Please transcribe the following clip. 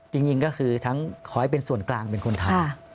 จริงก็คือทั้งขอให้เป็นส่วนกลางเป็นคนทำ